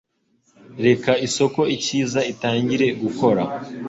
Reka isoko ikiza itangire, gukora